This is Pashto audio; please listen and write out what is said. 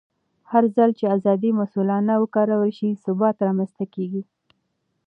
هرځل چې ازادي مسؤلانه وکارول شي، ثبات رامنځته کېږي.